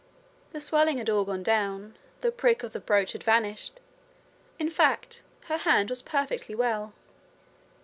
The swelling had all gone down; the prick of the brooch had vanished in fact, her hand was perfectly well.